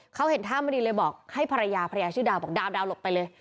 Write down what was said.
เขาเห็นท่าไม่ดีเลยบอกให้ภรรยาภรรยาชื่อดาวบอกดาวหลบไปเลย